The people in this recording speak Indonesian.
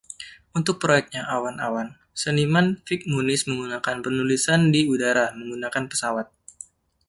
Untuk proyeknya "awan awan", seniman Vik Muniz menggunakan penulisan di udara menggunakan pesawat.